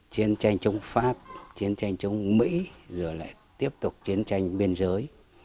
chiến tranh chống pháp chiến tranh chống mỹ rồi lại tiếp tục chiến tranh biên giới